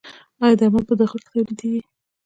آیا درمل په داخل کې تولیدیږي؟